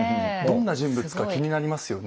どんな人物か気になりますよね？